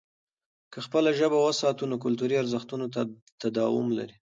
که خپله ژبه وساتو، نو کلتوري ارزښتونه تداوم لري.